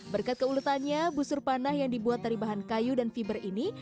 berkat keuletannya busur panah yang dibuat dari bahan kayu dan fiber ini